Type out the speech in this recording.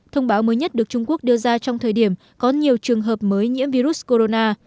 thông báo mới nhất được trung quốc đưa ra trong thời điểm có nhiều trường hợp mới nhiễm virus corona